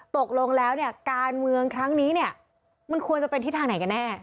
ตกลงแล้วเนี่ยการเมืองครั้งนี้เนี่ยมันควรจะเป็นทิศทางไหนกันแน่